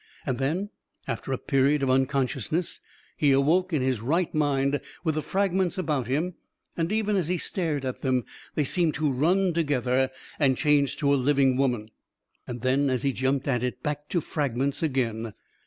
And then, after a period of unconsciousness, he awoke in his right mind, with the fragments about him ; and even as he stared at them, they seemed to run together and change to a living woman; and then, as he jumped at it, back to fragments again.